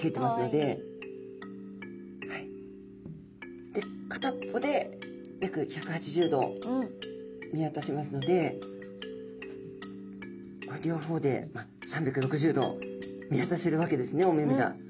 で片っぽで約１８０度見わたせますので両方で３６０度見わたせるわけですねお目々が。